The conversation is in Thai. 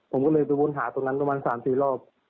ผมก็เลยไปวนหาตรงนั้นประมาณ๓๔รอบ